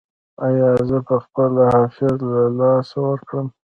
ایا زه به خپله حافظه له لاسه ورکړم؟